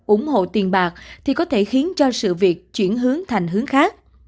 ủng hộ tiền bạc thì có thể khiến cho sự việc chuyển hướng thành hướng khác